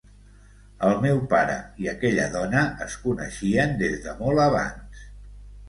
El meu pare i aquella dona es coneixien des de molt abans.